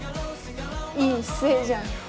いい姿勢じゃん。